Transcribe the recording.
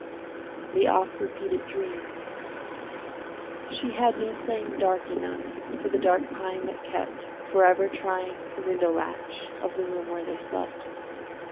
THE OFT REPEATED DREAM She had no saying dark enough For the dark pine that kept Forever trying the window latch Of the room where they slept.